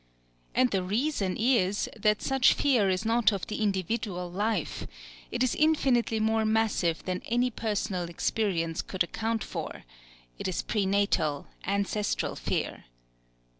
And the reason is that such fear is not of the individual life: it is infinitely more massive than any personal experience could account for; it is prenatal, ancestral fear.